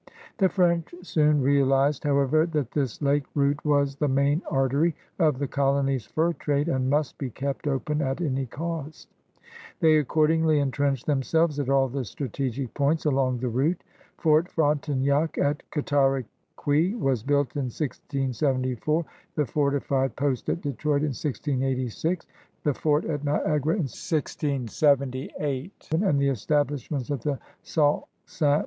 The French soon realized, however, that this lake route was the main artery of the colony's fur trade and must be kept open at any cost. They accordingly entrenched themselves at all the strat^c points along the route. Fort Frontenac at Cataraqui was built in 1674; the fortified post at Detroit, in 1686; the fort at Niagara, in 1678; and the establishments at the Sault Ste.